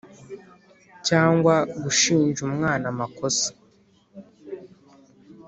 cyangwa gushinja umwana amakosa